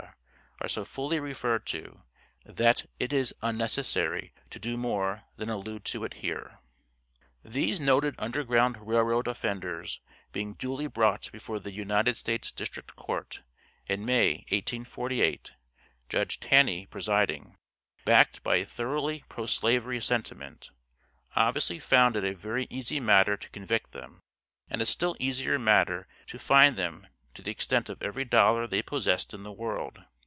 are so fully referred to, that it is unnecessary to do more than allude to it here]. These noted Underground Rail Road offenders being duly brought before the United States District Court, in May, 1848, Judge Taney, presiding, backed by a thoroughly pro slavery sentiment, obviously found it a very easy matter to convict them, and a still easier matter to fine them to the extent of every dollar they possessed in the world.